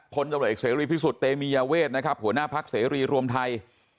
พลตำรวจเอกเสรีพิสุทธิ์เตมียาเวทนะครับหัวหน้าพักเสรีรวมไทย